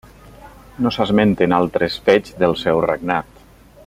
No s'esmenten altres fets del seu regnat.